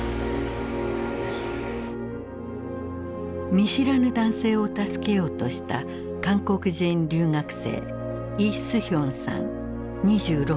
見知らぬ男性を助けようとした韓国人留学生イ・スヒョンさん２６歳。